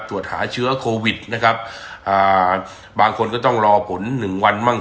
ตรวจหาเชื้อโควิดนะครับอ่าบางคนก็ต้องรอผลหนึ่งวันบ้าง